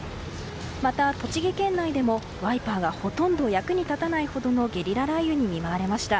また、栃木県内でもワイパーがほとんど役に立たないほどのゲリラ雷雨に見舞われました。